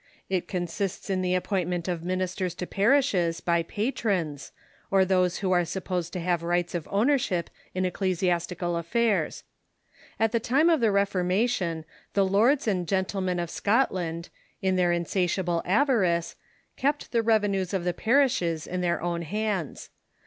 It consists in the ajtpointment of ministers to itarishes by pa trons, or those who an; supposed to have I'iglits The Ebenezer ^(• ,^\v,iership in ecclesiastical affairs. At the time Erskmc Schism ' of the Reformation the lords and gentlemen of Scotland, in their insatiable avarice, kept the revenues of the parishes in tluiir own hamls.